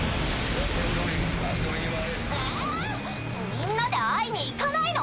みんなで会いに行かないの？